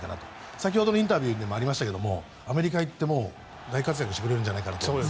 先ほどのインタビューにもありましたがアメリカに行っても大活躍してくれるんじゃないかと。